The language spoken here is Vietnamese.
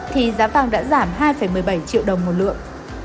thì giá vàng đã giảm hai một mươi bảy triệu đồng một lượng